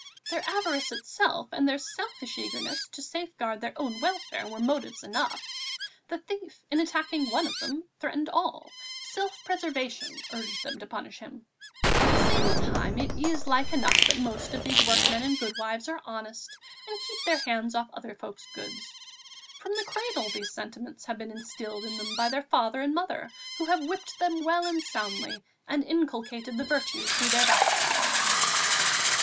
Their avarice itself and their selfish eagerness to safeguard their own welfare were motives enough; the thief in attacking one of them threatened all; self preservation urged them to punish him.... At the same time, it is like enough the most part of these workmen and goodwives are honest and keep their hands off other folk's goods. From the cradle these sentiments have been instilled in them by their father and mother, who have whipped them well and soundly and inculcated the virtues through their backside."